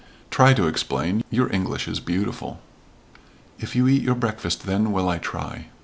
"Try to explain. Your English is beautiful." "If you eat your breakfast, then will I try."